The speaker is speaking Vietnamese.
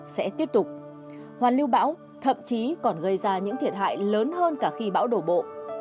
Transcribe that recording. sẽ tiếp tục hoàn lưu bão thậm chí còn gây ra những thiệt hại lớn hơn cả khi bão đổ bộ